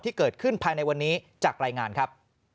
ที่เกิดขึ้นภายในวันนี้จากรายงานครับ